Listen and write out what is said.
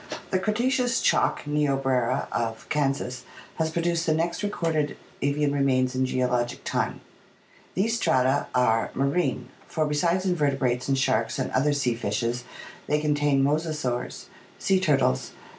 — The Cretaceous chalk (Niobrara) of Kansas has produced the next recorded avian remains in geologic time. These strata are marine, for besides invertebrates and sharks and other sea fishes, they contain mosasaurs, sea turtles, plesiosaurs, and the Plate XV.